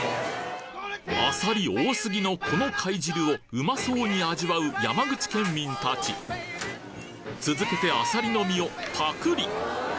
あさり多すぎのこの貝汁をうまそうに味わう山口県民たち続けてあさりの身をパクリ